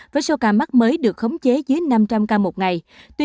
với số ca mắc mới được khống chế dưới năm trăm linh ca một ngày